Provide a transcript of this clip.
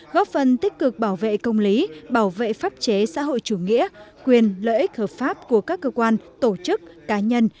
góp phần tích cực bảo vệ công lý bảo vệ pháp chế xã hội chủ nghĩa quyền lợi ích hợp pháp của các cơ quan tổ chức cá nhân